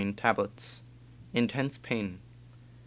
tablets — intense pain.